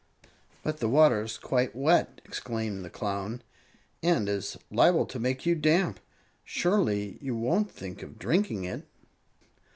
"But the water is quite wet," exclaimed the Clown, "and is liable to make you damp. Surely you won't think of drinking it!"